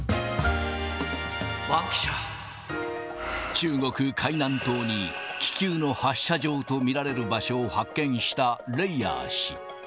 中国・海南島に、気球の発射場と見られる場所を発見したレイヤー氏。